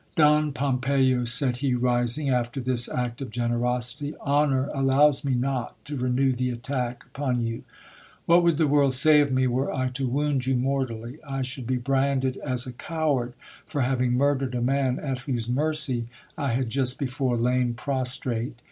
Don Pompeyo, said he rising, after this act of generosity, honour allows me not to renew the attack upon you. What would the world say of me, were I to wound you mortally ? I should be branded as a coward for having murdered a man, at whose mercy 1 had just before lain prostrate.